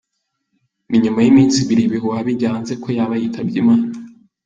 Ni nyuma y’iminsi ibiri ibihuha bijya hanze ko yaba yitabye Imana,.